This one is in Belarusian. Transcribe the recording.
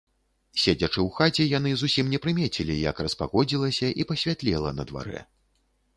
Седзячы ў хаце, яны зусім не прымецілі, як распагодзілася і пасвятлела на дварэ.